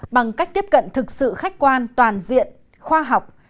bằng cách tiếp cận thực sự khách quan toàn diện khoa học